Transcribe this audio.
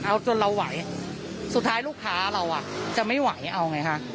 เอาจนเราไหวสุดท้ายลูกค้าเราจะไม่ไหว